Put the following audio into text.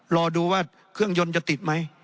รอดูว่าเครื่องยนต์จะติดไหม